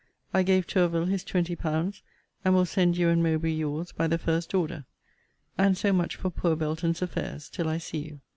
I gave Tourville his twenty pounds, and will send you and Mowbray your's by the first order. And so much for poor Belton's affairs till I see you.